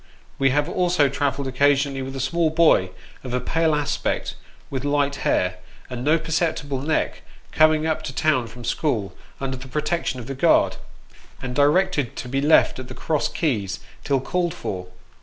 We have also travelled occasionally, with a small boy of a pale aspect, with light hair, and no perceptible neck, coming up to town from school under the pro tection of the guard, and directed to be left at the Cross Keys till called for.